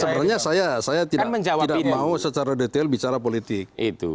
sebenarnya saya saya tidak mau secara detail bicara politik